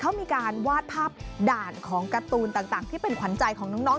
เขามีการวาดภาพด่านของการ์ตูนต่างที่เป็นขวัญใจของน้อง